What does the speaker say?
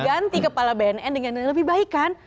ganti kepala bnn dengan yang lebih baik kan